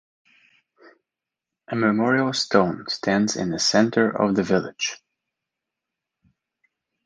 A memorial stone stands in the centre of the village.